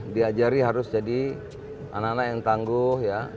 diajari harus jadi anak anak yang tangguh ya